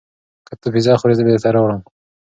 بې هدفه کړنې ټولنیز عمل نه ګڼل کېږي.